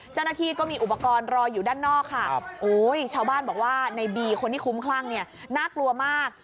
เจ้าหน้าที่ก็มีอุปกรณ์รออยู่ด้านนอกค่ะโอ้ยชาวบ้านบอกว่าในบีคนที่คุ้มคลั่งเนี่ยน่ากลัวมาก